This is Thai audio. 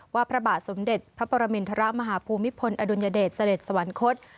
พระบาทสมเด็จพระปรมินทรมาฮภูมิพลอดุลยเดชเสด็จสวรรคต